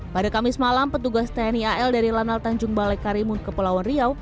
pada kamis malam petugas tni al dari lanal tanjung balai karimun kepulauan riau